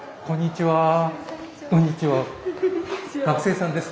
こんにちは。